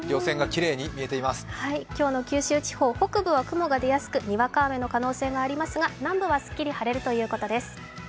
今日の九州地方、雨が降りやすくにわか雨の可能性がありますが、南部はすっきり晴れるということです。